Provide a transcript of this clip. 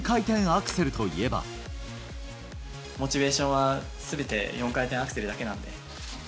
モチベーションは、すべて４回転アクセルだけなんで。